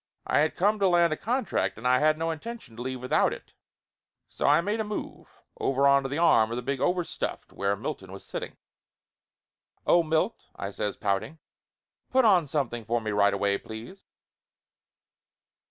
I had come to land a contract and I had no intention to leave without it, sc I made a move over onto the arm of the big overstuffed where Milton was sitting. Laughter Limited 277 "Oh, Milt!" I says pouting. "Put on something for me right away please?"